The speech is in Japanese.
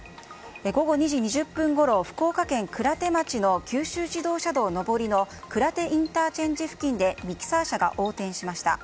午後２時２０分ごろ福岡県鞍手町の九州自動車道上りの鞍手ＩＣ付近でミキサー車が横転しました。